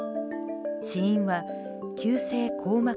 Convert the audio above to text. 死因は急性硬膜